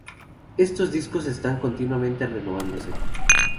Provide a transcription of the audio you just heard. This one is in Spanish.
Estos discos están continuamente renovándose.